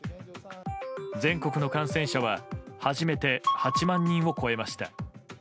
全国の感染者は初めて８万人を超えました。